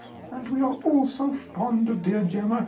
And we are all so fond of dear Gemma!